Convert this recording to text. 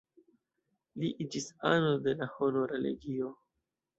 Li iĝis ano de la Honora Legio.